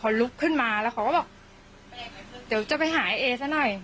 เรารู้เหมือนก็คนที่สร้างการรักสรรค์ไม่เห็น